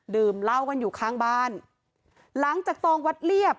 ดื่มเหล้ากันอยู่ข้างบ้านหลังจากตองวัดเรียบ